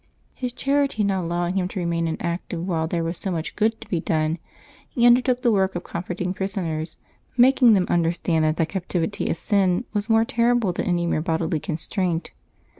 His charity not allowing him to remain inactive while there was so much good to be done, he undertook the work of comforting prisoners, making them understand that the captivity of sin was more terrible than any mere bodily constraint.